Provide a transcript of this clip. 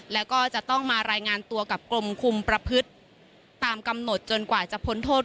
แล้วก็จะต้องมารายงานตัวกับกรมคุมประพฤติตามกำหนดจนกว่าจะพ้นโทษ